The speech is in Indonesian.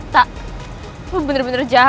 tak lo bener bener jahat ya